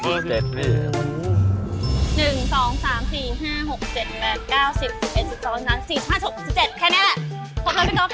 พร้อมแล้วพี่ก๊อฟ